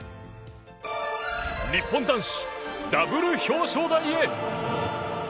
日本男子ダブル表彰台へ。